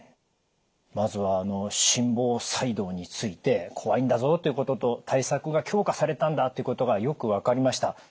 まずはあの心房細動について怖いんだぞということと対策が強化されたんだということがよく分かりました。